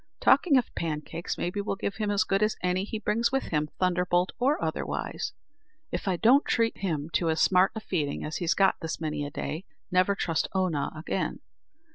Talking of pancakes, maybe, we'll give him as good as any he brings with him thunderbolt or otherwise. If I don't treat him to as smart feeding as he's got this many a day, never trust Oonagh again.